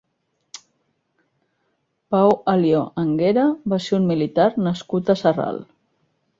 Pau Alió Anguera va ser un militar nascut a Sarral.